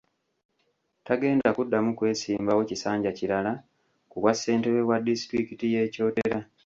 Tagenda kuddamu kwesimbawo kisanja kirala ku bwa ssentebe bwa disitulikiti y’e Kyotera.